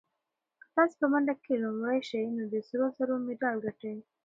که تاسي په منډه کې لومړی شئ نو د سرو زرو مډال ګټئ.